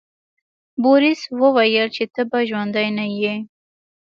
بوریس وویل چې ته به ژوندی نه یې.